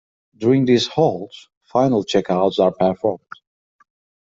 During these holds, final checkouts are performed.